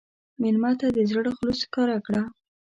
مېلمه ته د زړه خلوص ښکاره کړه.